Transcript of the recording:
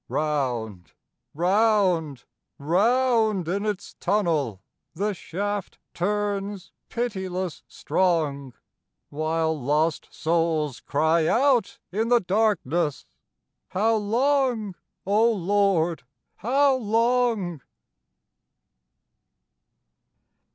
Round, round, round in its tunnel The shaft turns pitiless strong, While lost souls cry out in the darkness: "How long, O Lord, how long?"